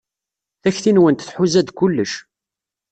Takti-nwent tḥuza-d kullec.